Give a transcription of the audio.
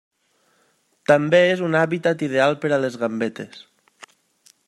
També és un hàbitat ideal per a les gambetes.